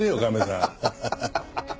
ハハハハ。